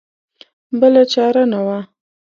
بله چاره نه وه.